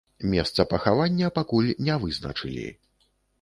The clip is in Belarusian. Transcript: Месца пахавання пакуль не вызначылі.